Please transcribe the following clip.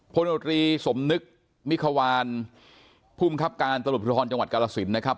พลโนโตรีสมนึกมิควานภูมิครับการตลอดพลธรรมจังหวัดกรสินนะครับ